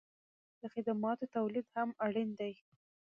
د خدماتو تولید هم اړین دی.